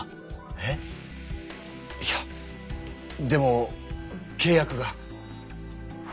えっ⁉いやでもけい約が。